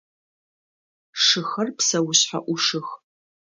Шыхэр псэушъхьэ ӏушых.